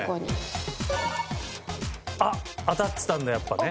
あっ当たってたんだやっぱね。